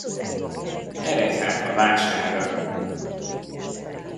Eredj hát a vásárra!